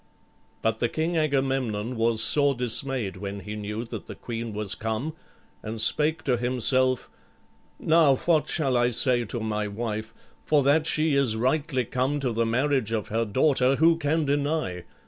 But the King Agamemnon was sore dismayed when he knew that the queen was come, and spake to himself, "Now what shall I say to my wife? For that she is rightly come to the marriage of her daughter, who can deny?